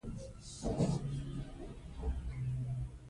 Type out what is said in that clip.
بیرغ وړونکی رالویږي.